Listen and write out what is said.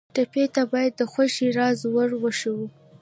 ټپي ته باید د خوښۍ راز ور وښیو.